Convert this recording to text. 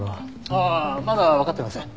ああまだわかっていません。